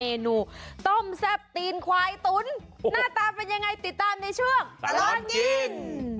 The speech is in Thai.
เมนูต้มแซ่บตีนควายตุ๋นหน้าตาเป็นยังไงติดตามในช่วงตลอดกิน